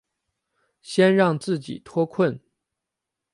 先让自己脱困